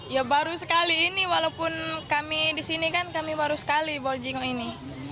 ya baru sekali ini walaupun kami disini kan kami baru sekali bojing ini